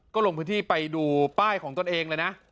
ก็ลงพื้นที่ไปดูป้ายของตนเองเลยนะ